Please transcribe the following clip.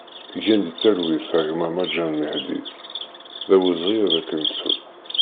Gen di talwit a gma Maǧan Mehdi, d awezɣi ad k-nettu!